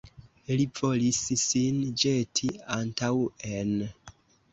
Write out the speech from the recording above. Li volis sin ĵeti antaŭen.